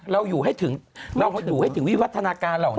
เราอยู่ให้ถึงวิวัฒนาการเหล่านั้น